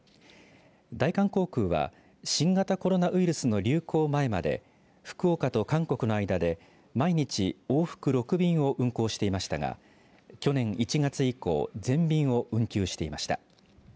大韓航空は新型コロナウイルスの流行前まで福岡と韓国の間で毎日往復６便を運航していましたが去年１月以降全便を運休していました。